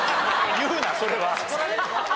言うなそれは。